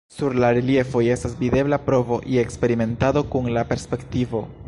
Sur la reliefoj estas videbla provo je eksperimentado kun la perspektivo.